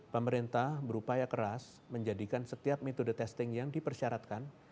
pemerintah berupaya keras menjadikan setiap metode testing yang dipersyaratkan